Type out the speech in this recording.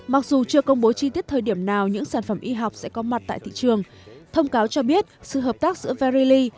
mặc dù chưa công bố chi tiết thời điểm nào những sản phẩm y học sẽ có mặt tại thị trường thông cáo cho biết sự hợp tác giữa vali